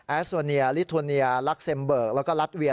แอสโซเนียลิทวเนียลักเซมเบิร์กและก็รัตเวีย